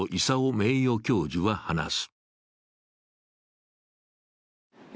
名誉教授は話す。